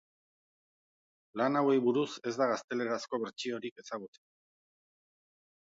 Lan hauei buruz ez da gaztelerazko bertsiorik ezagutzen.